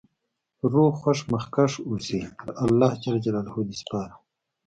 روغ خوښ مخکښ اوسی.پر الله د سپارم